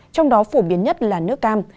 trong đó phổ biến nhất là nước cam